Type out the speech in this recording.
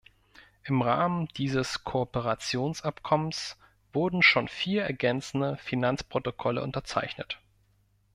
Im Rahmen dieses Kooperationsabkommens wurden schon vier ergänzende Finanzprotokolle unterzeichnet.